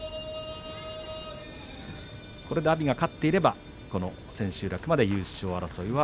これで阿炎が勝っていれば千秋楽まで優勝争いは。